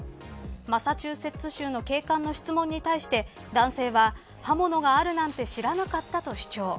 マサチューセッツ州の警官の質問に対し男性は刃物があるなんて知らなかったと主張。